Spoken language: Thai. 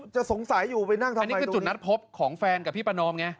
จะสงสัยอยู่ไปนั่งตอนนี้คือจุดนัดพบของแฟนกับพี่ประนอมไง